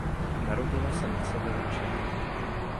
Narodila se na severu Čech.